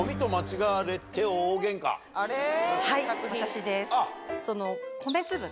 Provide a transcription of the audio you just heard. はい私です。